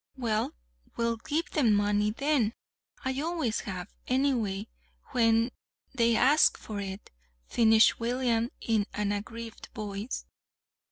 "Well, we'll give them money, then. I always have, anyway, when they asked for it," finished William in an aggrieved voice.